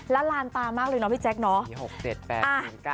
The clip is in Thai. แล้วลานตามากเลยเนาะพี่แจ๊คเนอะ